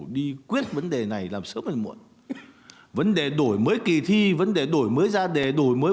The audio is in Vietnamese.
đi quyết vấn đề này làm sớm hơn muộn vấn đề đổi mới kỳ thi vấn đề đổi mới ra để đổi mới